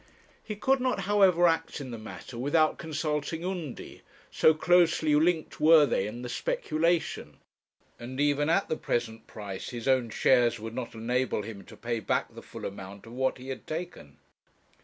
He could not, however, act in the matter without consulting Undy, so closely linked were they in the speculation; and even at the present price his own shares would not enable him to pay back the full amount of what he had taken.